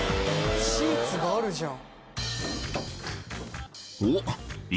シーツがあるじゃん。